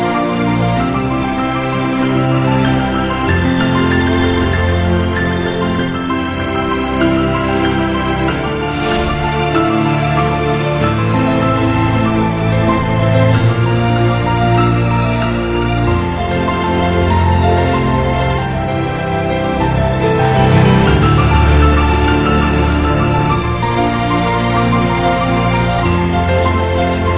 alhamdulillah semoga berkah